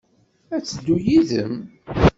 Ad teddu yid-m?